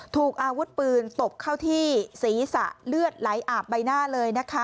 ถูกอาวุธปืนตบเข้าที่ศีรษะเลือดไหลอาบใบหน้าเลยนะคะ